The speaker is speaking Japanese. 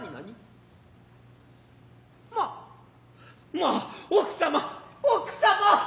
まあ奥様奥様。